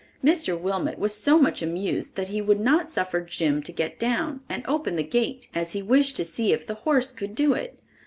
Mr. Wilmot was so much amused that he would not suffer Jim to get down and open the gate, as he wished to see if the horse could do it.